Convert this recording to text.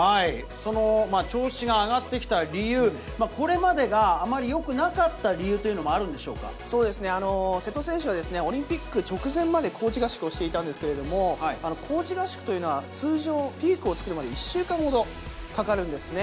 その調子が上がってきた理由、これまでがあまりよくなかった理そうですね、瀬戸選手はオリンピック直前まで高地合宿をしていたんですけれども、高地合宿というのは、通常、ピークを作るまで１週間ほどかかるんですね。